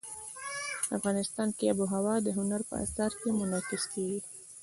افغانستان کې آب وهوا د هنر په اثار کې منعکس کېږي.